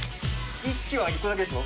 意識は１個だけでしょ？